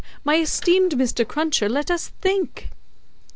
My esteemed Mr. Cruncher, let us think!"